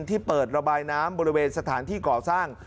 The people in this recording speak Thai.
ที่เปิดระบายน้ำบริเวณสถานที่ก่อสร้าง